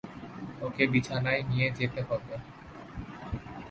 ওকে বিছানায় নিয়ে যেতে হবে।